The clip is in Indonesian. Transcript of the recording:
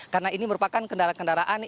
karena ini merupakan kendaraan kendaraan